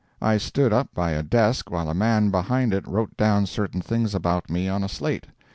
I stood up by a desk while a man behind it wrote down certain things about me on a slate.